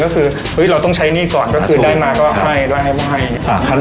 ก็คือเราต้องใช้หนี้ก่อนก็คือได้มาก็ให้ได้ให้